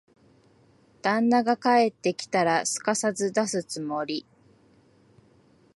旦那が帰ってきたら、すかさず出すつもり。